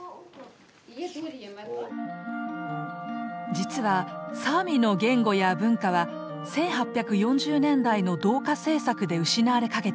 実はサーミの言語や文化は１８４０年代の同化政策で失われかけたんだ。